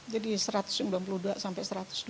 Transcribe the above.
jadi satu ratus sembilan puluh dua sampai satu ratus dua